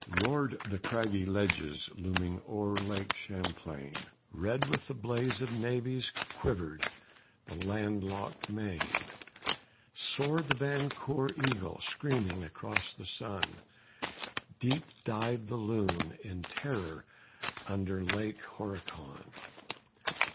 Roared the craggy ledges Looming o'er Lake Champlain; Red with the blaze of navies Quivered the land locked main; Soared the Vancour eagle, Screaming, across the sun; Deep dived the loon in terror Under Lake Horicon.